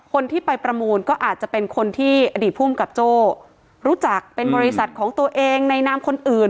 คนที่ไปประมูลก็อาจจะเป็นคนที่อดีตภูมิกับโจ้รู้จักเป็นบริษัทของตัวเองในนามคนอื่น